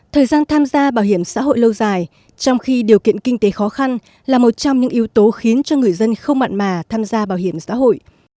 thời gian tham gia bảo hiểm xã hội lâu dài trong khi điều kiện kinh tế khó khăn là một trong những yếu tố khiến cho người dân không mặn mà tham gia bảo hiểm xã hội